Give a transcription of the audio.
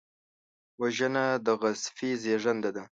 وژنه د غصې زېږنده ده